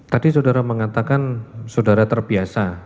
tadi saudara mengatakan saudara terbiasa